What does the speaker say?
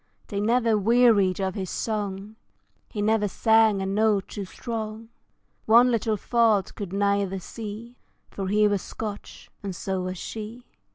They never wearied of his song, He never sang a note too strong, One little fault could neither see, For he was Scotch, and so was she.